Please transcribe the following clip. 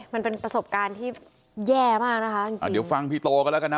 มันเป็นประสบการณ์ที่แย่มากนะคะอ่าเดี๋ยวฟังพี่โตกันแล้วกันนะ